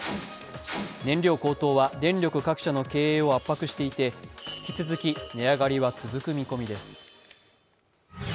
燃料高騰は電力各社の経営を圧迫していて引き続き値上がりは続く見込みです。